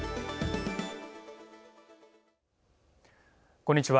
こんにちは。